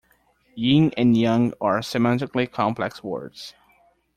"Yin" and "yang" are semantically complex words.